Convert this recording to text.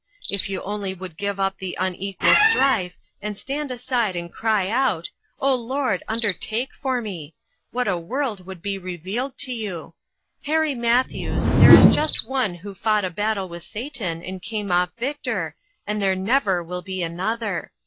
If you only would give up the unequal strife, and stand aside and cry out, ' O Lord, undertake for me '! what a world would be revealed to you. Harry Matthews, there is just One who fought a battle with Satan and came off victor, and there never will be another.